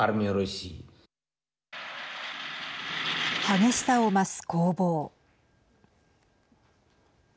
激しさを増す攻防。